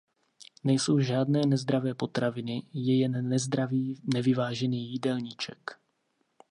Nejsou žádné nezdravé potraviny, je jen nezdravý, nevyvážený jídelníček.